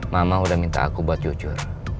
mama udah minta aku buat jujur